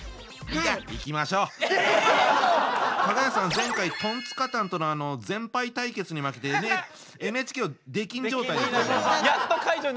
前回トンツカタンとの全敗対決に負けてＮＨＫを出禁状態に。